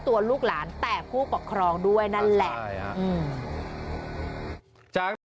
ตัวลูกหลานแต่ผู้ปกครองด้วยนั่นแหละ